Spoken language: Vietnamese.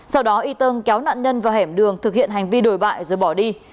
sau đó y tơm kéo nạn nhân vào hẻm đường thực hiện hành vi đổi bại rồi bỏ đi